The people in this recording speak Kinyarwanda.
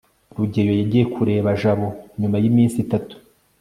rugeyo yagiye kureba jabo nyuma yiminsi itatu